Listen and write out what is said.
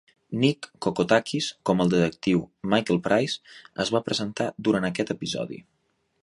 Nick Kokotakis, com el detectiu Michael Price, es va presentar durant aquest episodi.